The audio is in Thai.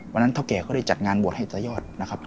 เท่าแก่ก็ได้จัดงานบวชให้ตายอดนะครับ